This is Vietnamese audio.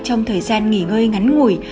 trong thời gian nghỉ ngơi ngắn ngủi